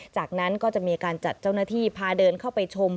จากนั้นก็จะมีการจัดเจ้าหน้าที่พาเดินเข้าไปชม